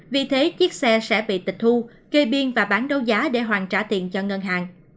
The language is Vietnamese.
vì thế chiếc xe sẽ bị tịch thu kê biên và bán đấu giá để hoàn trả tiền cho ngân hàng